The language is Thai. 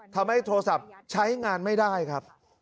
โทรศัพท์ใช้งานไม่ได้ครับ